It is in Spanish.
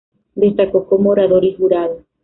Destacó como orador y jurado.